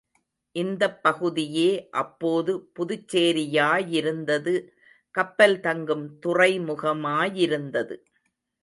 இந்தப் பகுதியே அப்போது புதுச்சேரியாயிருந்தது கப்பல் தங்கும் துறைமுகமாயிருந்தது.